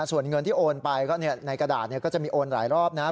ส่วนเงินที่โอนไปก็ในกระดาษก็จะมีโอนหลายรอบนะ